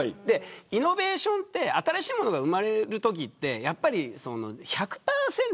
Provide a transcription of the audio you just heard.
イノベーション新しいものが生まれるときに１００％